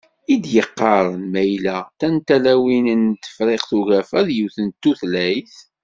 I d-yeqqaren ma yella tantaliwin n Tefriqt Ugafa d yiwet n tutlayt?